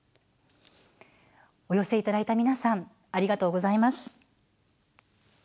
お寄せいただいた皆さんありがとうございます。